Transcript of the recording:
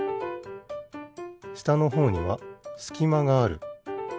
したのほうにはすきまがある。